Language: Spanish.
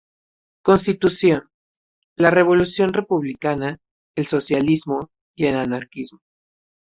Constitución"", la Revolución Republicana, el Socialismo y el Anarquismo.